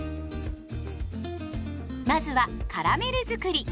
まずはカラメルづくり。